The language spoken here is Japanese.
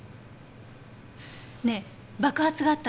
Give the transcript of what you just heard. ねえ爆発があった